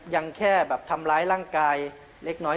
ยังแค่แบบทำร้ายร่างกายเล็กน้อย